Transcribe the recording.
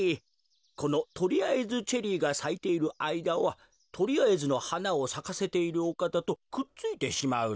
このとりあえずチェリーがさいているあいだはとりあえずのはなをさかせているおかたとくっついてしまうのです。